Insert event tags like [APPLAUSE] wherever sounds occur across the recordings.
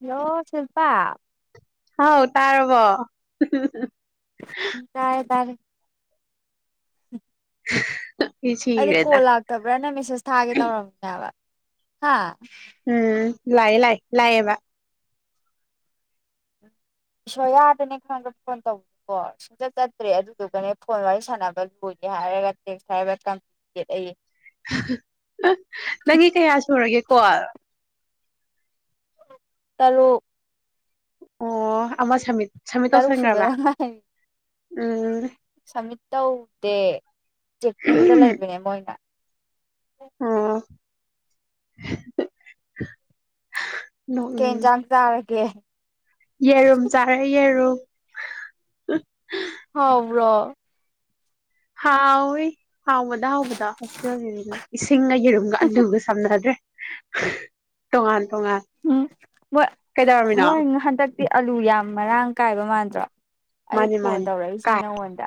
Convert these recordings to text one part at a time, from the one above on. hello ꯁꯤꯜꯄꯥ ꯍꯥꯎ ꯇꯥꯏꯔꯕꯣ ꯇꯥꯔꯦ ꯇꯥꯔꯦ [INAUDIBLE] ꯏ ꯑꯩꯗꯤ ꯁꯤꯔꯦꯗ ꯀꯣꯜ ꯂꯥꯛꯇꯕ꯭ꯔꯅ ꯃꯦꯁꯦꯁ ꯊꯥꯒꯦ ꯇꯧꯔꯝꯅꯦꯕ ꯍꯥꯏꯕ ꯍꯥꯥ ꯎꯝ ꯂꯥꯛ ꯂꯥꯏ ꯂꯥꯑꯌꯦꯕ ꯏꯁꯣꯔꯤꯌꯥꯗꯅꯦ ꯈꯪꯕ ꯐꯣꯟ ꯇꯧꯕꯀꯣ ꯁꯨꯛꯆꯠ ꯆꯠꯇ꯭ꯔꯦ ꯑꯗꯨꯗꯨꯒꯅꯦ ꯐꯣꯟ ꯋꯥꯔꯤ ꯁꯥꯟꯅꯕ ꯂꯣꯏꯗꯦ ꯍꯥꯏꯔꯒ ꯇꯦꯛꯁ ꯍꯥꯏꯔꯒ ꯊꯝꯦ ꯑꯩ ꯅꯪꯒꯤ ꯀꯌꯥ ꯁꯨꯔꯒꯦꯀꯣꯜ ꯇꯔꯨꯛ ꯑꯣ ꯑꯃꯥ ꯁꯃꯤꯠ ꯇꯔꯨꯁꯨꯨꯕꯗ ꯉꯥꯏ ꯎꯝ ꯁꯝꯃꯤꯇ ꯇꯧꯗꯦ ꯆꯦꯛꯀꯤꯡꯗ ꯂꯩꯕꯅꯦ ꯃꯣꯏꯅ [INAUDIBLE] ꯀꯩ ꯍꯦꯟꯖꯥꯡ ꯆꯥꯔ ꯀꯦ ꯌꯦꯔꯨꯝ ꯆꯥꯔꯦ ꯌꯦꯔꯨꯝ ꯎ ꯍꯥꯎꯕ꯭ꯔꯣ ꯍꯥꯎꯋꯤ ꯍꯥꯎꯕꯗ ꯍꯥꯎꯕꯗ ꯍꯣꯁꯇꯥꯦꯜꯒꯤꯅꯤꯅ ꯁꯤꯡꯒ ꯌꯦꯔꯨꯝꯒ ꯑꯂꯨꯒ ꯁꯝꯅꯗ꯭ꯔꯦ ꯇꯣꯉꯥꯟ ꯇꯣꯉꯥꯟ ꯎꯝ ꯃꯣꯏ ꯀꯩꯗꯧꯔꯝꯃꯤꯅꯣ ꯃꯣꯏ ꯍꯟꯗꯛꯇꯤ ꯑꯂꯨ ꯌꯥꯝ ꯃꯔꯥꯡ ꯀꯥꯏꯕ ꯃꯥꯟꯗ꯭ꯔꯣ ꯑꯩ ꯃꯥꯅꯤ ꯐꯣꯟ ꯃꯥꯅꯤ ꯇꯧꯔꯛꯏꯁꯤꯅꯦ ꯀꯥꯏ ꯅꯪꯉꯣꯟꯗ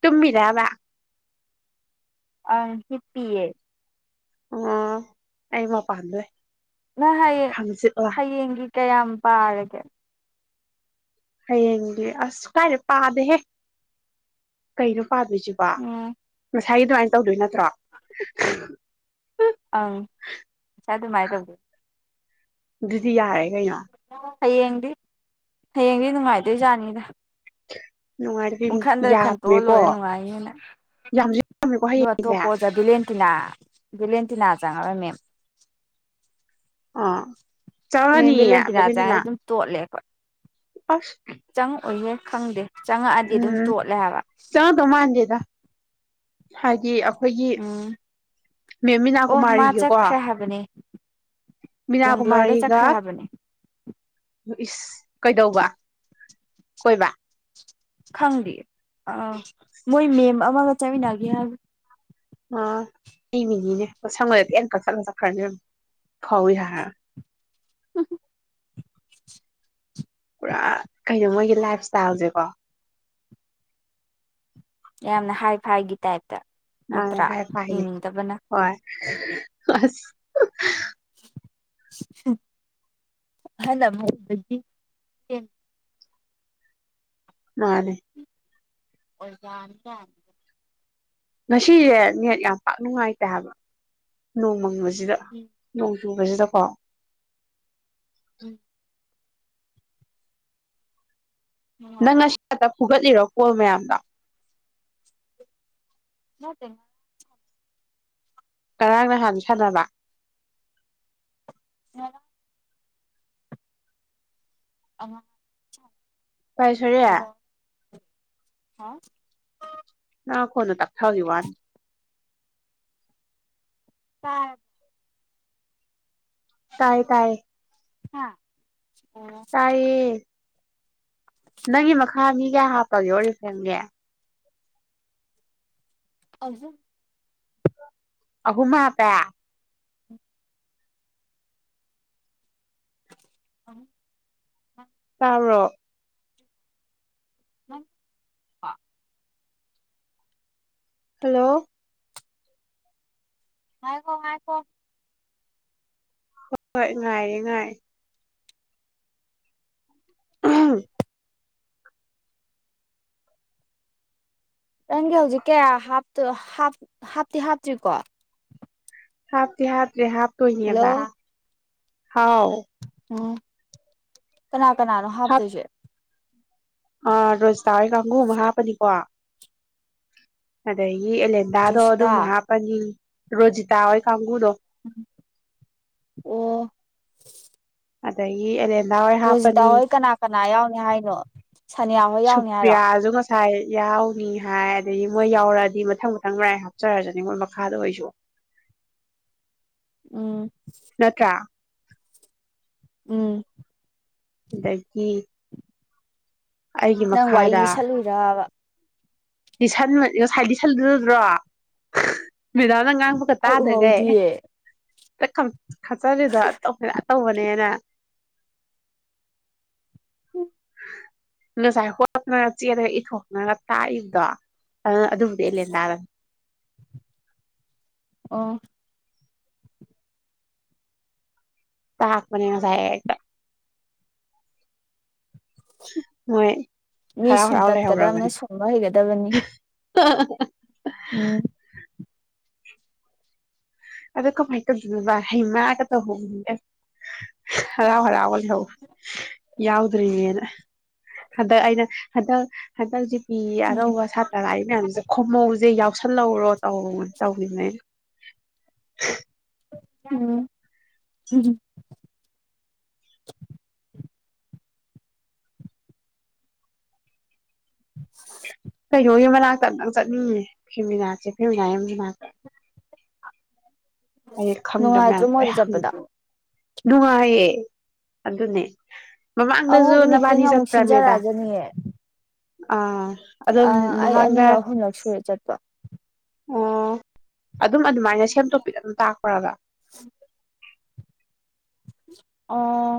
ꯇꯨꯝꯃꯤꯔꯕ ꯑ ꯍꯤꯄꯤꯑꯦ ꯑꯣ ꯑꯩ ꯃꯄꯥꯟꯗ ꯂꯩ ꯅ ꯍꯌꯦꯡ ꯍꯪꯆꯤꯠ ꯂꯥꯡ ꯍꯌꯦꯡꯒꯤ ꯀꯌꯥꯝ ꯄꯥꯔꯒꯦ ꯍꯌꯦꯡꯗꯤ ꯑꯁ ꯀꯥꯏꯔꯦ ꯄꯥꯗꯦꯍꯦ ꯀꯩꯅꯣ ꯄꯥꯗꯣꯏꯖꯤꯕꯥ ꯎꯝ [UNINTELLIGIBLE] ꯇꯧꯗꯣꯏ ꯅꯠ [UNINTELLIGIBLE] ꯑꯪ ꯉꯁꯥꯏ ꯑꯗꯨꯃꯥꯏꯟꯗꯨꯝ ꯑꯗꯨꯗꯤ ꯌꯥꯔꯦ ꯀꯩꯅꯣ ꯍꯌꯦꯡꯗꯤ ꯍꯌꯦꯡꯗꯤ ꯅꯨꯡꯉꯥꯏꯗꯣꯏꯖꯥꯠꯅꯤꯗ ꯅꯨꯡꯉꯥꯏꯗꯣꯔꯤꯕꯅꯤ ꯄꯨꯡꯈꯟꯗ ꯈꯟꯇꯣꯛꯑ ꯌꯥꯝꯃꯦꯀꯣ ꯂꯣꯏꯔꯦ ꯅꯨꯡꯉꯥꯏꯅꯤꯅ ꯌꯥꯝꯁꯨ ꯌꯥꯝꯃꯦꯀꯣ ꯑꯗꯨꯒ ꯍꯌꯦꯡꯁꯦ ꯑꯇꯣꯞꯄ ꯑꯣꯖꯥ ꯗꯤ ꯂꯦꯟ ꯇꯅꯥ ꯕꯤꯂꯦꯟꯇꯤꯅꯥ ꯆꯉꯛꯑ ꯃꯦꯝ ꯑ ꯃꯦꯝ ꯕꯤꯂꯦꯟ ꯇꯤꯅꯥ ꯆꯉꯗꯤ ꯑꯗꯨꯝ ꯇꯣꯠꯂꯦ ꯑꯩꯈꯣꯏ ꯑꯁ ꯆꯪꯉꯛꯑꯣꯏꯍꯦ ꯈꯪꯗꯦ ꯆꯪꯉꯛꯑꯗꯤ ꯑꯗꯨꯝ ꯎꯝ ꯇꯣꯠꯂꯦ ꯍꯥꯏꯕ ꯆꯪꯉꯛꯇꯧ ꯃꯥꯟꯗꯦꯗ ꯍꯥꯏꯗꯤ ꯑ ꯎꯝ ꯑꯣ ꯃꯥ ꯀꯨꯃꯥꯔꯤꯒꯀꯣ ꯆꯠꯈ꯭ꯔꯦ ꯍꯥꯏꯕꯅꯦ ꯃꯤꯅꯥ ꯕꯦꯡꯒ꯭ꯂꯣꯔꯗ ꯆꯠꯈ꯭ꯔꯦ ꯍꯥꯏꯕꯅꯦ ꯍꯨ ꯏꯁ ꯀꯩꯗꯧꯕ ꯀꯣꯏꯕ ꯈꯪꯗꯤꯌꯦ ꯑ ꯃꯣꯏ ꯃꯦꯝ ꯑꯃꯒ ꯆꯠꯃꯤꯟꯅꯒꯤ ꯍꯥꯏꯕ ꯑ ꯑꯩ ꯃꯤꯅꯤꯅꯦ ꯃꯁꯝꯒꯁꯦ ꯇꯦꯟꯅ ꯀꯛꯊꯠꯂꯒ ꯆꯠꯈ꯭ꯔꯅꯤ ꯑꯐꯥꯎꯕꯤ ꯁꯥꯔꯒ ꯍꯨ ꯍꯨ ꯄꯨꯔꯥ ꯀꯩꯅꯣ ꯃꯣꯏꯒꯤ ꯂꯥꯏꯞ ꯁ꯭ꯇꯥꯏꯜꯁꯦꯀꯣ ꯌꯥꯝꯅ ꯍꯥꯏ ꯐꯥꯏꯒꯤ ꯇꯥꯏꯞ ꯃꯟꯅꯦ ꯍꯥꯏ ꯐꯥꯏꯅꯦ ꯍꯣꯏ ꯑꯁ ꯍꯨ ꯍꯥ ꯍꯨꯡ ꯑꯍꯜ ꯑꯃ ꯑꯣꯏꯕꯩꯒꯤ ꯃꯥꯅꯦ ꯑꯣꯖꯅꯤꯅ ꯉꯁꯤꯖꯦ ꯅꯦꯠ ꯌꯥꯝ ꯄꯥꯛ ꯅꯨꯡꯉꯥꯏꯇꯦ ꯍꯥꯏꯕ ꯅꯣꯡ ꯃꯪꯕ ꯁꯤꯗ ꯎꯝ ꯅꯣꯡ ꯎꯕꯖꯤꯗꯀꯣ ꯎꯝ ꯅꯨꯉꯥꯏ ꯅꯪ ꯉꯁꯤ ꯈꯛꯇ ꯐꯨꯒꯠꯂꯤꯔꯣ ꯀꯣꯜ ꯃꯌꯥꯝꯗꯣ ꯅꯠꯇꯦ ꯉꯔꯥꯡ ꯅꯍꯥꯟ ꯁꯥꯟꯅꯕ ꯍꯂꯣ ꯑꯉꯥ ꯄꯥꯏꯁꯔꯤ ꯍꯥ ꯅꯪ ꯅꯈꯣꯟꯗꯣ ꯇꯞꯊꯕꯒꯤ ꯋꯥꯅꯤ ꯇꯥꯔ ꯇꯥꯌꯦ ꯇꯥꯌꯦ ꯍꯥꯥ ꯑꯣ ꯑꯣ ꯌꯥ ꯍꯥꯄꯒꯦ ꯍꯣꯔꯦꯟ ꯁꯦꯝꯒꯦ ꯍꯧꯖꯨ ꯑꯍꯨꯝ ꯍꯥꯞꯄꯦ ꯑꯧ ꯍꯥ ꯇꯥꯕ꯭ꯔꯣ ꯎ ꯀ ꯍꯜꯂꯣ ꯉꯥꯢꯈꯣ ꯉꯥꯢꯈꯣ ꯍꯣꯏ ꯍꯣꯏ ꯉꯥꯏꯔꯦ ꯉꯥꯏ ꯎꯝ ꯅꯪꯒꯤ ꯍꯧꯖꯤꯛ ꯀꯌꯥ ꯍꯥꯞꯇꯣ ꯍꯥꯞ ꯍꯥꯞꯇꯤ ꯍꯥꯞꯇ꯭ꯔꯤꯀꯣ ꯍꯥꯞꯗꯤ ꯍꯥꯞꯇ꯭ꯔꯤ ꯍꯥꯞ ꯇꯣꯢꯅꯦꯕ ꯍꯜꯂꯣ ꯍꯥꯎ ꯎꯝ ꯀꯅꯥ ꯀꯅꯥꯅꯣ ꯍꯥꯞ ꯍꯥꯞꯇꯣꯏꯁꯦ ꯑ ꯔꯣꯁꯤꯇꯥꯥ ꯍꯣꯢ ꯀꯥꯡꯉꯨ ꯑꯃ ꯍꯥꯥꯞꯄꯅꯤꯀꯣ ꯑꯗꯩ ꯒꯤ ꯑꯦꯂꯦꯟꯗꯥꯗꯣ ꯑꯗꯨꯝ ꯖꯣꯁꯤꯇꯥ ꯍꯥꯞꯄꯅꯤ ꯔꯣꯖꯤꯇꯥ ꯍꯣꯏ ꯀꯥꯡꯒꯨꯗꯣ ꯑꯣ ꯑꯗꯒꯤ ꯑꯦꯂꯦꯟ ꯔꯣꯖꯤꯇꯥꯍꯣꯏ ꯀꯅꯥ ꯀꯅꯥ ꯌꯥꯎꯅꯤ ꯍꯥꯏꯅꯣ ꯁꯅꯤꯌꯥꯍꯣꯏ ꯌꯥꯎꯅꯤ ꯍꯥꯏꯔꯣ ꯁꯥꯏ ꯌꯥꯎꯅꯤ ꯍꯥꯏ ꯑꯗꯒꯤ ꯃꯣꯏ ꯌꯥꯎꯔꯛꯑꯗꯤ ꯃꯊꯪ ꯃꯊꯪ ꯃꯥꯔꯥꯢ ꯍꯥꯞꯆꯔꯁꯅꯤ ꯃꯣꯏ ꯃꯈꯥꯗ ꯑꯣꯏꯁꯨ ꯎꯝ ꯅꯠꯇ꯭ꯔꯥ ꯎꯝ ꯑꯗꯒꯤ ꯑꯩꯒꯤ ꯅꯪ ꯋꯥꯔꯤ ꯃꯈꯥꯗ ꯂꯤꯁꯜꯂꯨꯢꯔꯕ ꯂꯤꯁꯟ ꯉꯁꯥꯏ ꯂꯤꯁꯜꯂꯤꯗꯣ ꯎꯗ꯭ꯔꯣ ꯃꯦꯗꯥꯝꯅ ꯉꯥꯡꯕꯒ ꯑꯩ ꯇꯥꯗꯒꯩ ꯎꯍꯧꯗꯤꯌꯦ ꯬꯬꯬ꯍꯦꯛꯇ ꯈꯞ ꯈꯠꯆꯜꯂꯤꯗꯣ ꯑꯇꯧ ꯑꯇꯧꯕꯅꯦꯅ ꯉꯁꯥꯢ ꯍꯣꯠꯅ ꯆꯦꯗꯒ ꯢꯊꯣꯛꯅꯔ ꯇꯥꯛꯢꯅꯦ ꯗꯣ ꯑ ꯑꯗꯨꯕꯨꯗꯤ ꯑꯩ ꯂꯦꯟꯗꯗ ꯑꯣ ꯇꯥꯛꯄꯅꯤ ꯉꯁꯥꯏ ꯑꯩ ꯍꯦꯛꯇ ꯍꯝ ꯃꯣꯏ ꯃꯤ ꯍꯔꯥꯎ ꯍꯔꯥꯎ ꯁꯨꯝꯇꯠꯀꯗꯕꯅꯦ ꯁꯨꯝꯕ ꯍꯩꯒꯗꯕꯅꯤ ꯑ ꯍ ꯍ ꯍ ꯎꯝ ꯑꯗꯣ ꯀꯥꯃꯥꯢ ꯇꯧꯗꯣꯢꯅꯣ ꯕꯥ ꯍꯩꯃꯥꯒ ꯇꯧꯍꯧꯕꯅꯤ ꯕꯦꯝ ꯍꯥ ꯍꯔꯥꯎ ꯍꯔꯥꯎ ꯂꯩꯍꯧ ꯌꯥꯎꯗꯣꯔꯤꯅꯦꯅ ꯍꯟꯗꯛ ꯑꯩꯅ ꯍꯟꯗꯛ ꯍꯟꯗꯛꯁꯤ ꯄꯤ ꯎꯝ ꯑꯅꯧꯕ ꯁꯥꯇ꯭ꯔ ꯂꯥꯛꯏ ꯃꯌꯥꯝꯁꯦ ꯈꯣꯝꯃꯧꯖꯦ ꯌꯥꯎ ꯁꯟꯍꯧꯔꯣꯠ ꯑꯧ ꯇꯧꯅꯤꯅꯦ [INAUDIBLE] [INAUDIBLE] [UNINTELLIGIBLE] [INAUDIBLE] ꯀꯩꯅꯣꯒꯤ ꯃꯅꯥꯛꯇ ꯑꯝꯇꯪ ꯆꯠꯅꯤꯡꯉꯤꯅꯦ ꯐꯦꯃꯤꯅꯥ ꯁꯦ ꯐꯦꯃꯤꯅꯥ ꯌꯨ ꯃꯅꯥꯛꯇ ꯑꯩ ꯈꯪꯗ ꯅꯨꯡꯉꯥꯏꯇ꯭ꯔꯣ ꯃꯌꯝꯗꯣ ꯃꯣꯏꯗ ꯆꯠꯄꯗ ꯂꯣꯏ ꯍꯪꯒꯦ ꯅꯨꯡꯉꯥꯏꯌꯦ ꯑꯗꯨꯅꯦ ꯃꯃꯥꯡꯗꯁꯨ ꯑꯃꯨꯛ ꯃꯤꯇꯤꯡ ꯅꯕꯥꯅꯤ ꯑꯃꯨꯛ ꯆꯠꯄ꯭ꯔꯃꯦꯗ ꯁꯤꯟꯖꯔꯛꯑꯖꯅꯤ ꯑꯦ ꯑꯥ ꯑꯗꯨꯝ ꯑ ꯑꯩ ꯃꯃꯥꯡꯗ ꯑꯅꯤꯔꯛ ꯑꯍꯨꯝꯂꯛ ꯁꯨꯔꯦ ꯆꯠꯄ ꯑꯣ ꯑꯗꯨꯝ ꯑꯗꯨꯃꯥꯏꯅ ꯁꯦꯝ ꯇꯣꯄꯤꯛ ꯑꯗꯨꯝ ꯇꯥꯛꯄ꯭ꯔꯕ [INAUDIBLE] ꯑꯣ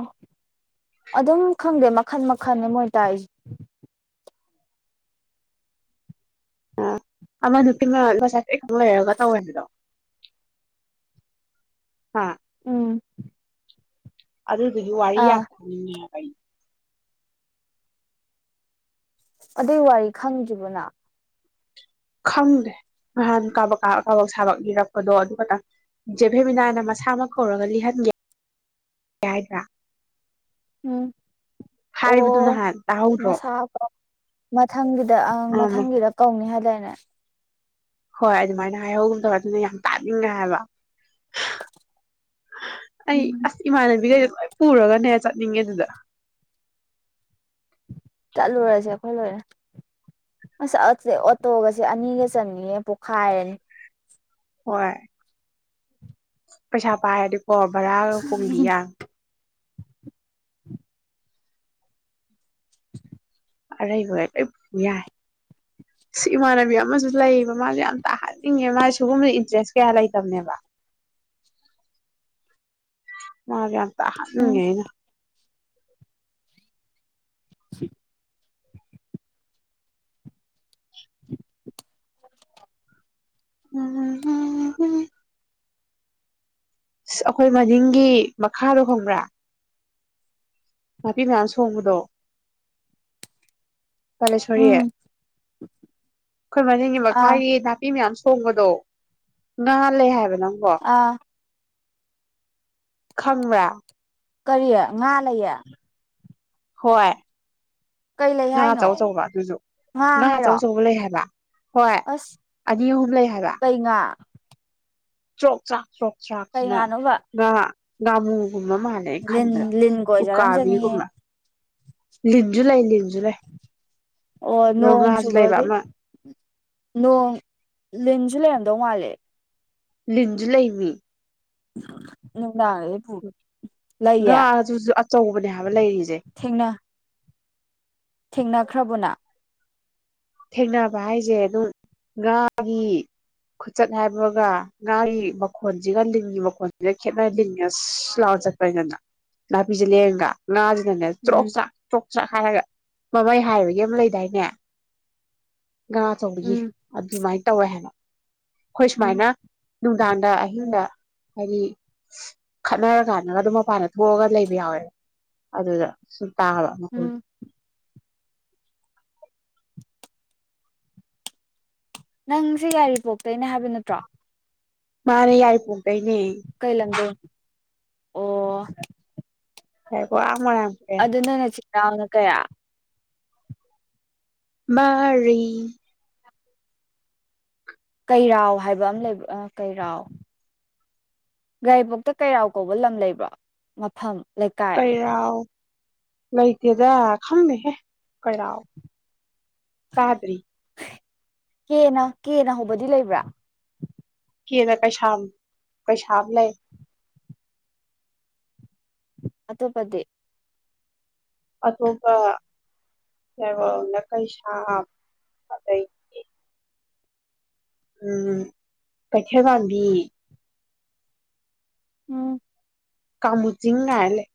ꯑꯗꯨꯝ ꯈꯪꯗꯦ ꯃꯛ ꯃꯈꯟ ꯃꯈꯜꯅꯦ ꯃꯣꯏ ꯇꯥꯛꯏꯁꯤ ꯑꯣ ꯑꯃ ꯅꯨꯄꯤ ꯃ ꯉꯁꯥꯏ ꯈꯪ ꯂꯩꯔꯒ ꯇꯧꯍꯟꯕꯗꯣ ꯍꯥ ꯎꯝ ꯑꯗꯨꯗꯨꯒꯤ ꯋꯥꯔꯤ ꯌꯥꯝ ꯑꯥ ꯈꯣꯡꯅꯤꯡꯉꯦ ꯑꯩ ꯑꯗꯨꯏ ꯋꯥꯔꯤ ꯈꯪꯗ꯭ꯔꯤꯕꯣ ꯅꯪ ꯈꯪꯗꯦ ꯅꯍꯥꯟ ꯀꯥꯕꯛ ꯀꯥꯕꯛ ꯁꯥꯕꯛ ꯂꯤꯔꯛꯄꯗꯣ ꯑꯗꯨ ꯈꯛꯇꯪ ꯖꯦꯚꯦꯃꯤꯅꯥꯅ ꯃꯁꯥꯃꯛ ꯀꯧꯔꯒ ꯂꯤꯍꯟꯒꯦ ꯒꯦ ꯍꯥꯏꯗ꯭ꯔꯥ ꯎꯝ ꯍꯥꯏꯕꯗꯨ ꯑꯣ ꯅꯍꯥꯟ ꯇꯥꯍꯧꯗ꯭ꯔꯣ ꯃꯁꯥ ꯀꯧ ꯃꯊꯪꯒꯤꯗ ꯑꯪ ꯎꯝ ꯃꯊꯪꯒꯤꯗ ꯀꯧꯅꯤ ꯍꯥꯏꯗꯥꯏꯅꯦ [UNINTELLIGIBLE] ꯍꯣꯏ ꯑꯗꯨꯃꯥꯏꯅ ꯍꯥꯏꯍꯧꯒꯨꯝ ꯇꯧꯋꯦ ꯑꯗꯨꯅ ꯌꯥꯝ ꯇꯥꯅꯤꯡꯉꯦ ꯍꯥꯏꯕ ꯑꯩ ꯎꯝ ꯑꯁ ꯏꯃꯥꯟꯅꯕꯤꯒꯩ ꯍ ꯄꯨꯔꯒꯅꯦ ꯆꯠꯅꯤꯡꯉꯦ ꯑꯗꯨꯗ ꯆꯠꯂꯨꯔꯁꯦ ꯑꯩꯈꯣꯏ ꯂꯣꯏꯅ ꯑꯁ ꯑꯁꯦ ꯑꯣꯇꯣꯒꯁꯦ ꯑꯅꯤꯒ ꯆꯟꯗꯔꯤꯉꯩ ꯄꯣꯛꯈꯥꯏꯔꯅꯤ ꯍꯣꯏ ꯄꯩꯁꯥ ꯄꯥꯏ ꯑꯗꯤ ꯍꯣ ꯕꯔꯥꯒ ꯀꯣꯡꯕꯤ ꯌꯥꯝ [INAUDIBLE] ꯑꯔꯩꯕ ꯍ ꯂꯣꯏ ꯄꯨ ꯌꯥꯏꯔꯦ ꯁꯤ ꯏꯃꯥꯟꯅꯕꯤ ꯑꯃꯁꯨ ꯂꯩꯌꯦꯕ ꯃꯥꯁꯨ ꯌꯥꯝ ꯇꯥꯍꯟꯅꯤꯡꯉꯦ ꯃꯥ ꯁꯨꯒꯨꯝꯕꯖꯦ ꯏꯟꯇꯔꯦꯔꯦꯁ ꯀꯌꯥ ꯂꯩꯇꯕꯅꯦꯕ [UNINTELLIGIBLE] ꯇꯦꯟ ꯎꯝ ꯅꯤꯡꯉꯦ ꯑꯩꯅ [INAUDIBLE] ꯎꯝꯍꯨꯝꯍꯨꯝ ꯑꯁ ꯑꯩꯈꯣꯏ ꯃꯅꯤꯡꯒꯤ ꯃꯈꯥꯗꯣ ꯈꯪꯕ꯭ꯔꯥ ꯅꯥꯄꯤ ꯃꯌꯥꯝ ꯁꯣꯡꯕꯗꯣ ꯀꯂꯦꯁꯣꯔꯤ ꯎꯝ ꯑꯩꯈꯣꯏ ꯃꯅꯤꯡꯒꯤ ꯑꯥ ꯃꯈꯥꯒꯤ ꯅꯥꯄꯤ ꯃꯌꯥꯝ ꯁ ꯁꯣꯡꯕꯗꯣ ꯉꯥꯂꯩ ꯍꯥꯏꯕꯅꯦ ꯪꯅꯪꯕꯣ ꯑꯥ [UNINTELLIGIBLE] ꯈꯪꯕ꯭ꯔꯥ ꯀꯔꯤꯌꯦ ꯉꯥ ꯂꯩꯌꯦ ꯍꯣꯏ ꯀꯩ ꯂꯩ ꯉꯥ ꯍꯥꯏꯅꯣ ꯑꯆꯧ ꯑꯆꯧꯕ ꯑꯗꯨꯁꯨ ꯉꯥ ꯑꯆꯧ ꯑꯆꯧꯕ ꯂꯩ ꯍꯥꯏꯕ ꯍꯣꯏ ꯑꯁ ꯑꯅꯤ ꯑꯍꯨꯝ ꯂꯩ ꯍꯥꯏꯕ ꯀꯩ ꯉꯥ ꯆꯣꯛ ꯆꯥꯛ ꯆ꯭ꯔꯣꯛ ꯀꯩ ꯆ꯭ꯔꯥꯛꯁꯤꯅ ꯉꯥꯅꯣꯕ ꯉꯥ ꯉꯥꯃꯨ ꯒꯨꯝꯕ ꯃꯥꯜꯂꯦ ꯑꯩ ꯂꯤꯟ ꯈꯟꯕꯗ ꯂꯤꯟ ꯀꯣꯏꯖꯔꯝꯖꯅꯤꯍꯦ ꯎꯀꯥꯕꯤꯒꯨꯝꯕ ꯂꯤꯟꯁꯨ ꯂꯩ ꯂꯤꯟꯁꯨ ꯂꯩ ꯑꯣ ꯑꯗꯣ ꯅꯣꯡ ꯉꯥꯁꯨ ꯂꯩꯕ ꯆꯨꯕꯒꯤ ꯑꯃ ꯅꯣꯡ ꯂꯤꯟꯁꯨ ꯂꯩꯔꯝꯗꯧ ꯃꯥꯜꯂꯦ ꯂꯤꯟꯖꯨ ꯂꯩꯃꯤ [INAUDIBLE] ꯎ ꯄꯨꯕ ꯉꯥ ꯂꯩꯌꯦ ꯑꯗꯨꯁꯨ ꯑꯆꯧꯕꯅꯦ ꯍꯥꯏꯕ ꯂꯩꯔꯤꯁꯦ ꯎꯅꯈ꯭ꯔꯕꯣ ꯅꯪ ꯊꯦꯡꯅꯕ ꯍꯥꯏꯁꯦ ꯑꯗꯨ ꯉꯥꯒꯤ ꯈꯨꯆꯠ ꯍꯥꯏꯕꯒ ꯉꯥꯒꯤ ꯃꯈꯣꯟꯁꯤꯒ ꯂꯤꯟꯒꯤ ꯃꯈꯣꯟꯁꯤꯒ ꯈꯦꯠꯅ ꯂꯤꯟꯅ ꯁꯤꯁ ꯂꯥꯎꯔ ꯆꯠꯄꯅꯤꯗꯅ ꯅꯥꯄꯤꯁꯦ ꯂꯦꯡꯒ ꯉꯥꯥꯁ ꯆ꯭ꯔꯣꯛ ꯎꯝ ꯆ꯭ꯔꯥꯛ ꯆꯥꯛ ꯍꯥꯏꯔꯒ ꯃꯃꯩ ꯍꯥꯏꯕꯒꯤ ꯑꯃ ꯂꯩꯗꯥꯏꯅꯦ ꯉꯥꯆꯧꯕꯒꯤ ꯎꯝ ꯑꯗꯨꯃꯥꯏꯅ ꯇꯧꯋꯦ ꯍꯥꯏꯕ ꯑꯩꯈꯣꯏ ꯎꯝ ꯁꯨꯃꯥꯏꯅ ꯅꯨꯡꯗꯥꯡꯗ ꯑꯍꯤꯡꯗ ꯍꯥꯏꯗꯤ ꯈꯠꯅꯔꯀꯥꯟꯗꯒ ꯑꯗꯨꯝ ꯃꯄꯥꯟꯗ ꯊꯣꯛꯑꯒ ꯂꯩꯕ ꯌꯥꯎꯋꯦꯕ ꯑꯗꯨꯗ ꯁꯨꯝ ꯇꯥꯔꯕ ꯃꯈꯣꯜ ꯎꯝ ꯅꯪ ꯁꯤ ꯌꯥꯏꯔꯤꯄꯣꯛꯇꯩꯅ ꯍꯥꯏꯕ ꯅꯠꯇ꯭ꯔꯣ ꯃꯥꯅꯦ ꯌꯥꯏ ꯀꯅꯦ [UNINTELLIGIBLE] ꯀꯩ ꯂꯝꯗꯩꯅꯣ ꯑꯣ ꯍꯦꯛꯀꯣ [UNINTELLIGIBLE] ꯃꯣꯏꯔꯥꯡꯄꯨꯔꯦꯜ ꯇꯥꯡꯅ ꯀꯌꯥ ꯃꯥꯔꯤ ꯀꯩꯔꯥꯎ ꯍꯥꯏꯕ ꯑꯃ ꯂꯩꯕ ꯀꯩꯔꯥꯎ ꯌꯥꯏꯔꯤꯄꯣꯛꯇ ꯀꯩꯔꯥꯎ ꯀꯧꯕ ꯂꯝ ꯂꯩꯕ꯭ꯔꯣ ꯃꯐꯝ ꯂꯩꯀꯥꯏ ꯀꯩꯔꯥꯎ ꯂꯩꯇꯦꯗ ꯈꯪꯉꯦꯍꯦ ꯀꯩꯔꯥꯎ ꯇꯥꯗ꯭ꯔꯤ ꯀꯦꯅ ꯀꯦꯅ ꯍꯧꯕꯗꯤ ꯂꯩꯕ꯭ꯔꯥ ꯀꯦꯅ ꯀꯩꯁꯥꯝ ꯀꯩꯁꯥꯝ ꯂꯩ ꯑꯇꯣꯞꯄꯗꯤ ꯑꯇꯣꯞꯄ ꯀꯩꯔꯣꯝꯗ ꯀꯩꯁꯥꯝꯑ ꯂꯩꯌꯦ ꯎꯝ ꯀꯩꯊꯦꯜꯃꯥꯟꯕꯤ ꯎꯝ ꯀꯃꯨꯆꯤꯡ ꯀꯥꯏꯟ ꯂꯩ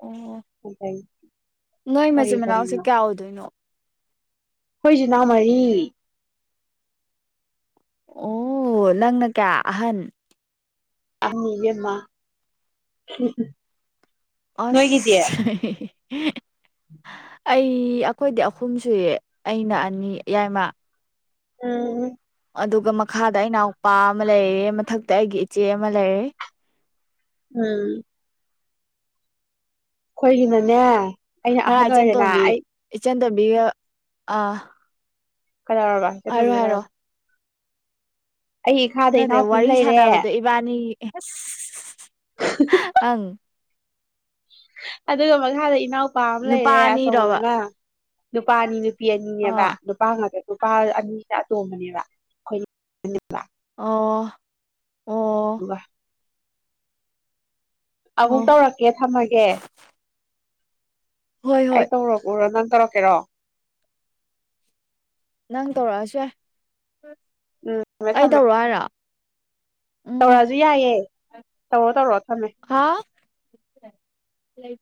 ꯑꯣ ꯑꯗꯩ ꯅꯣꯏ ꯀꯔꯤ ꯃꯆꯤꯟ ꯃꯅꯥꯎꯁꯦ ꯀꯌꯥ ꯑꯣꯏꯗꯣꯏꯅꯣ ꯍꯣꯏꯆꯤꯟ ꯏꯅꯥꯎ ꯃꯔꯤ ꯑꯣ ꯅꯪꯅ ꯀꯌꯥ ꯑꯍꯟ ꯑꯅꯤ ꯕꯦꯝꯃ ꯑꯁ ꯑꯩ ꯑꯩꯈꯣꯏꯗꯤ ꯑꯍꯨꯝ ꯁꯨꯏ ꯑꯩꯅ ꯑꯅꯤ ꯌꯥꯏꯃ ꯎꯝ ꯑꯗꯨꯒ ꯃꯈꯥꯗ ꯑꯅꯥꯎꯄꯥ ꯑꯃ ꯂꯩꯌꯦ ꯃꯊꯛꯇ ꯑꯩꯒꯤ ꯏꯆꯦ ꯑꯃ ꯂꯩꯔꯦ ꯎꯝ ꯈꯣꯏꯒꯤꯅꯅꯦ ꯑꯩꯅ ꯑꯍꯜ ꯑꯣꯏꯔꯦꯅ ꯑꯩ ꯕꯤꯔ ꯑꯥ ꯀꯩꯗꯧꯔꯕ ꯏꯆꯟ ꯍꯥꯏꯔꯣ ꯇꯣꯝꯕꯤ ꯔꯝ ꯍꯥꯏꯔꯣ ꯑꯩꯏꯈꯥꯗ ꯏꯅꯥꯎꯄꯤ ꯑꯃ ꯂꯩꯔꯦ ꯑꯦꯁꯁꯁ ꯑꯪ ꯑꯗꯨꯒ ꯃꯈꯥꯗ ꯏꯅꯥꯎ ꯅꯨꯄꯥ ꯑꯃ ꯂꯩꯔꯦ ꯑꯆꯧꯕꯃ ꯅꯨꯄꯥ ꯑꯅꯤ ꯅꯨꯄꯤ ꯑꯅꯤꯅꯦꯕ ꯑꯥ ꯅꯨꯄꯥ ꯑꯃꯗ ꯅꯨꯄꯥ ꯑꯅꯤ ꯅ ꯑꯇꯣꯝꯕꯅꯦꯕ ꯑꯩꯈꯣꯏ ꯅꯨꯄꯥ ꯑꯣ ꯑꯣ ꯑꯗꯨꯒ ꯑꯃꯨꯛ ꯑꯣ ꯇꯧꯔꯛꯀꯦ ꯊꯝꯃꯒꯦ ꯍꯣꯏ ꯑꯩ ꯍꯣꯏ ꯇꯧꯔꯣꯛꯑꯣꯔꯥ ꯅꯪ ꯇꯧꯔꯛꯀꯦꯔꯣ ꯅꯪ ꯇꯧꯔꯛꯑꯁꯨ ꯌꯥꯏ ꯎꯝ ꯊꯝꯃꯦ ꯑꯩ ꯊꯝꯃꯦ ꯇꯧꯔꯣ ꯍꯥꯏꯔꯣ ꯎꯝ ꯇꯧꯔꯛꯑꯁꯨ ꯌꯥꯏꯑꯦ ꯇꯧꯔꯣ ꯇꯧꯔꯛꯑꯣ ꯊꯝꯃꯦ ꯍꯥꯎ ꯂꯩ